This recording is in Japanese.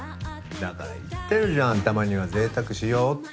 だから言ってるじゃんたまには贅沢しようって。